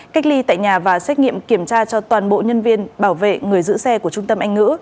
cách ly tại nhà và xét nghiệm kiểm tra cho toàn bộ nhân viên bảo vệ người giữ xe của trung tâm anh ngữ